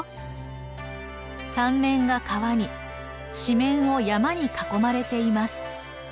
三面が川に四面を山に囲まれています。